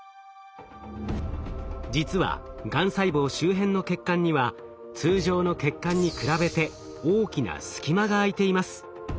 実はがん細胞周辺の血管には通常の血管に比べて大きな隙間があいています。